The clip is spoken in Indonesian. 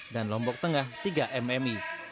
dan lombok tengah tiga mm